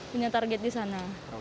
punya target di sana